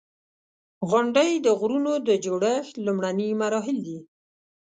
• غونډۍ د غرونو د جوړښت لومړني مراحل دي.